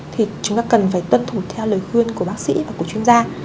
thì chúng ta cần phải tuân thủ theo lời khuyên của bác sĩ và của chuyên gia